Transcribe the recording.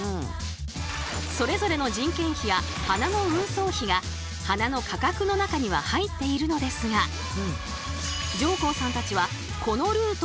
それぞれの人件費や花の運送費が花の価格の中には入っているのですが上甲さんたちはこのルートを短縮。